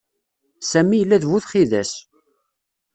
Sami yella d bu txidas.